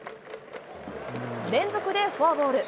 連続でフォアボール。